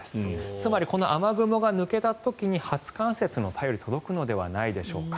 つまりこの雨雲が抜けた時に初冠雪の便りが届くのではないでしょうか。